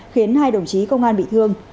khiến hai đồng chí công an bị thương